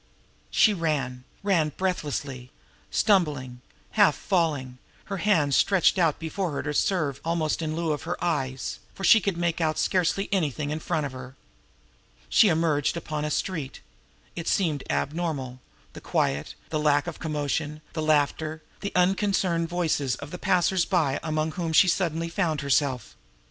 She ran ran breathlessly, stumbling, half falling, her hands stretched out before her to serve almost in lieu of eyes, for she could make out scarcely anything in front of her. She emerged upon a street. It seemed abnormal, the quiet, the lack of commotion, the laughter, the unconcern in the voices of the passers by among whom she suddenly found herself.